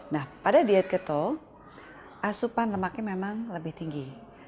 nah pada diet keto asupan lemaknya memang lebih tinggi